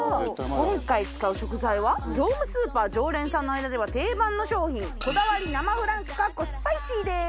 今回使う食材は業務スーパー常連さんの間では定番の商品こだわり生フランクかっこスパイシーです。